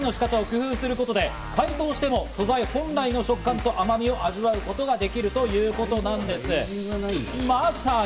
部位ごとに処理の仕方を工夫することで解凍しても、素材本来の食感と甘みを味わうことができるということです。